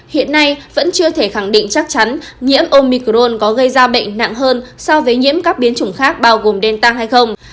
hiện nay vẫn chưa thể khẳng định chắc chắn nhiễm omicron có gây ra bệnh nặng hơn so với nhiễm các biến chủng khác bao gồm đen tăng hay không